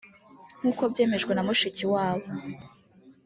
nk’uko byemejwe na Mushikiwabo